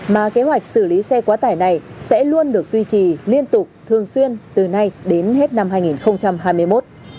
mà kế hoạch xử lý xe quá tải này sẽ luôn được duy trì liên tục thường xuyên từ nay đến hết năm hai nghìn hai mươi một